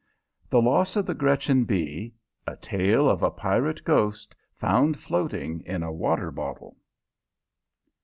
The Loss of the "Gretchen B." A TALE OF A PIRATE GHOST, FOUND FLOATING IN A WATER BOTTLE.